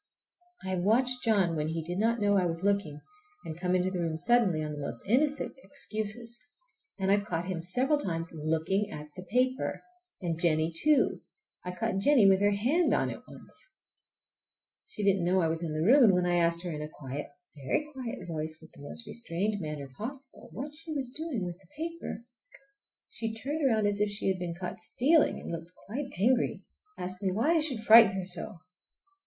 I have watched John when he did not know I was looking, and come into the room suddenly on the most innocent excuses, and I've caught him several times looking at the paper! And Jennie too. I caught Jennie with her hand on it once. She didn't know I was in the room, and when I asked her in a quiet, a very quiet voice, with the most restrained manner possible, what she was doing with the paper she turned around as if she had been caught stealing, and looked quite angry—asked me why I should frighten her so!